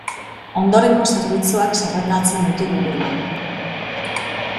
Ondorengo zerbitzuak zerrendatzen ditu liburuan.